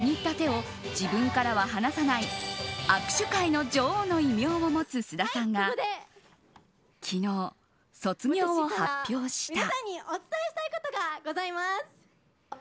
握手会では握った手を自分からは離さない握手会の女王の異名を持つ須田さんが昨日、卒業を発表した。